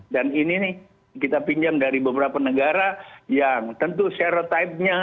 dan ini nih kita pinjam dari beberapa negara yang tentu serotipenya